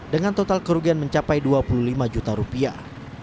dengan total kerugian mencapai dua puluh lima juta rupiah